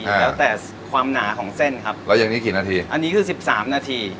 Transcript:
แล้วแต่ความหนาของเส้นครับแล้วอย่างนี้กี่นาทีอันนี้คือสิบสามนาที